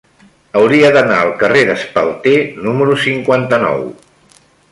Hauria d'anar al carrer d'Espalter número cinquanta-nou.